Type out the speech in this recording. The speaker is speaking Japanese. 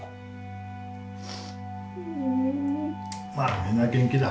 まあみんな元気だ。